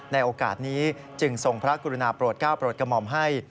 ในโอกาสนี้จึงทรงพระกรุณาโปรดก้าวโปรดกระหม่อมให้